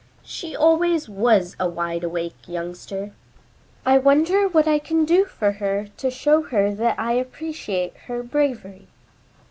She always was a wide awake youngster. I wonder what I can do for her to show her that I appreciate her bravery?"